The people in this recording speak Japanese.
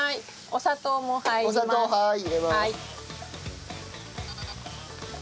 お砂糖はい入れます。